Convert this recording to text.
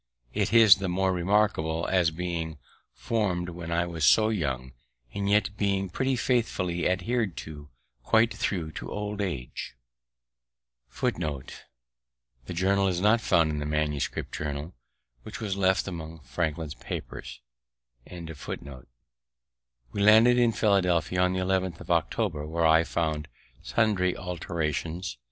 It is the more remarkable, as being formed when I was so young, and yet being pretty faithfully adhered to quite thro' to old age. "Not found in the manuscript journal, which was left among Franklin's papers." Bigelow. We landed in Philadelphia on the 11th of October, where I found sundry alterations.